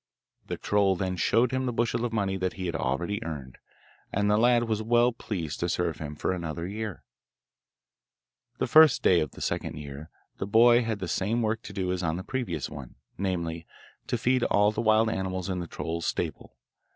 The troll then showed him the bushel of money that he had already earned, and the lad was well pleased to serve him for another year. The first day of the second year the boy had the same work to do as on the previous one namely, to feed all the wild animals in the troll's stable.